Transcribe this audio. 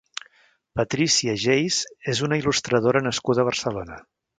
Patricia Geis és una il·lustradora nascuda a Barcelona.